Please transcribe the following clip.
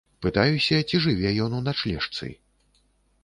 Пытаюся, ці жыве ён у начлежцы.